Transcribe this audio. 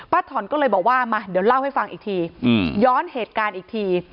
ถอนก็เลยบอกว่ามาเดี๋ยวเล่าให้ฟังอีกทีย้อนเหตุการณ์อีกที